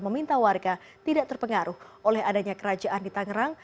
meminta warga tidak terpengaruh oleh adanya kerajaan di tangerang